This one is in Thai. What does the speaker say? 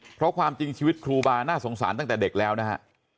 เพราะความจริงชีวิตครูบาน่าสงสารตั้งแต่เด็กแล้วนะฮะ